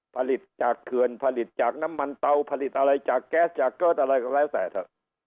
ผลิตจากเผือนผลิตจากน้ำมันเตาผลิตอะไรจากแก๊สจากเกิร์ตอะไรแสดด